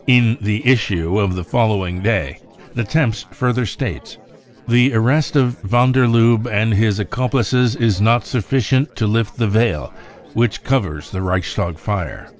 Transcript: In the issue of the following day, the Temps further states :" The arrest of van der Lubbe and his accomplices is not sufficient to lift the veil which covers the Reichstag fire."